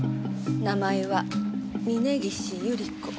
名前は峰岸百合子。